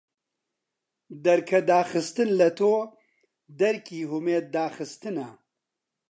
دەرکەداخستن لە تۆ دەرکی هومێد داخستنە